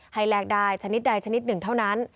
แลกได้ชนิดใดชนิดหนึ่งเท่านั้น